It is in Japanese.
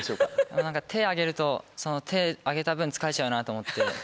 なんか、手上げると、その手上げた分、疲れちゃうなと思って。